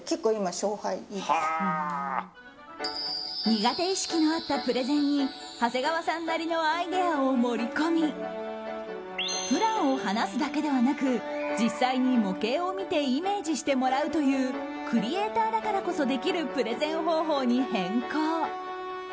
苦手意識のあったプレゼンに長谷川さんなりのアイデアを盛り込みプランを話すだけではなく実際に模型を見てイメージしてもらうというクリエーターだからこそできるプレゼン方法に変更。